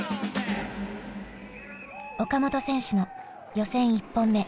岡本選手の予選１本目。